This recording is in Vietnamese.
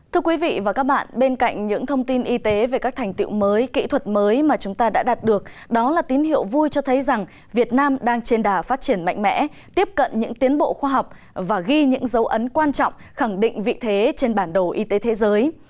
thưa quý vị và các bạn bên cạnh những thông tin y tế về các thành tiệu mới kỹ thuật mới mà chúng ta đã đạt được đó là tín hiệu vui cho thấy rằng việt nam đang trên đà phát triển mạnh mẽ tiếp cận những tiến bộ khoa học và ghi những dấu ấn quan trọng khẳng định vị thế trên bản đồ y tế thế giới